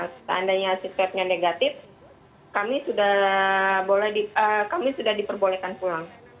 setandanya swabnya negatif kami sudah diperbolehkan pulang